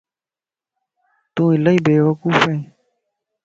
تون الائي بيوقوف ائين